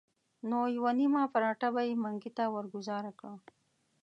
نو یوه نیمه پراټه به یې منګي ته ورګوزاره کړه.